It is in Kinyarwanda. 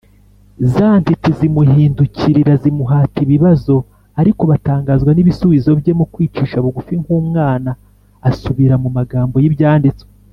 Za ntiti zimuhindukirira zimuhata ibibazo, ariko batangazwa n’ibisubuzo bye. Mu kwicisha bugufi nk’umwana, asubira mu magambo y’ibyanditswe